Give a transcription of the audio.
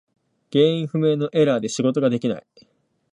原因不明のエラーで仕事ができない。